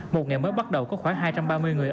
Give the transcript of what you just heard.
một ngày mới bắt đầu có khoảng hai trăm ba mươi người